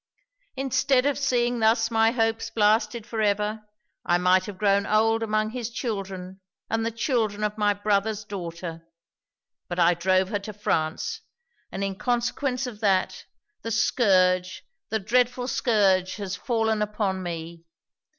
'Instead of seeing thus my hopes blasted for ever, I might have grown old among his children and the children of my brother's daughter! But I drove her to France; and in consequence of that, the scourge, the dreadful scourge has fallen upon me!